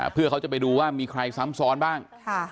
เพื่อเขาจะไปดูว่ามีใครซ้ำซ้อนบ้าง